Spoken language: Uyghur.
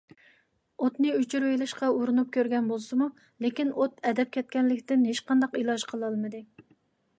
ئوتنى ئۆچۈرۈۋېلىشقا ئۇرۇنۇپ كۆرگەن بولسىمۇ، لېكىن ئوت ئەدەپ كەتكەنلىكتىن ھېچقانداق ئىلاج قىلالمىدى.